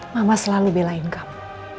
mama selalu belain kamu